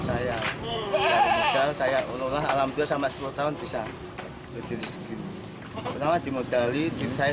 saya saya urutlah alhamdulillah sampai sepuluh tahun bisa berdiri segitu kenapa dimodali diri saya